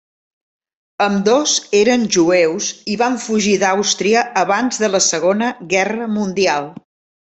Ambdós eren jueus i van fugir d'Àustria abans de la Segona Guerra Mundial.